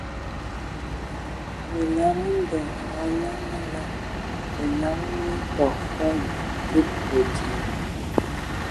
Məlam məben a ngabə lamaŋ, olam woe təgə fəg bi tsid tɔ dzia.